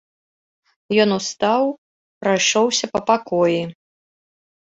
Ён устаў, прайшоўся па пакоі.